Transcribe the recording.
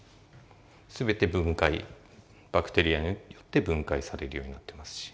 全て分解バクテリアによって分解されるようになってますし。